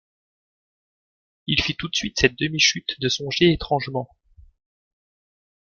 Il fit tout de suite cette demi-chute de songer étrangement.